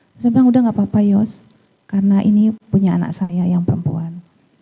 saya bilang udah gak apa apa yos karena ini punya anak saya yang perempuan